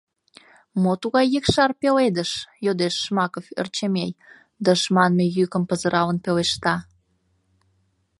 — Мо тугай екшар пеледыш? — йодеш Жмаков Ӧрчемей, дыш манме йӱкым пызыралын пелешта.